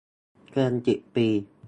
เกินสิบปี